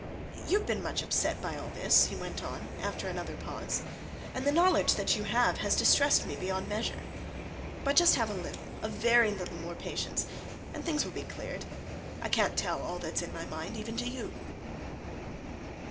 You've been much upset by all this," he went on, after another pause, "and the knowledge that you have has distressed me beyond measure! But just have a little a very little more patience, and things will be cleared I can't tell all that's in my mind, even to you."